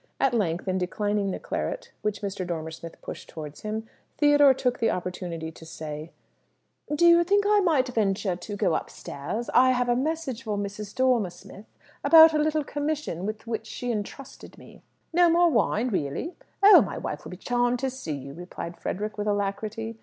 At length, in declining the claret which Mr. Dormer Smith pushed towards him, Theodore took the opportunity to say "Do you think I might venture to go upstairs? I have a message for Mrs. Dormer Smith about a little commission with which she entrusted me." "No more wine, really? Oh, my wife will be charmed to see you," replied Frederick, with alacrity.